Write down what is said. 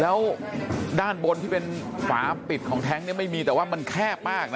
แล้วด้านบนที่เป็นฝาปิดของแท้งเนี่ยไม่มีแต่ว่ามันแคบมากนะ